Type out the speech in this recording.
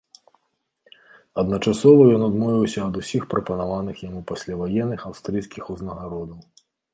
Адначасова ён адмовіўся ад усіх прапанаваных яму пасляваенных аўстрыйскіх узнагародаў.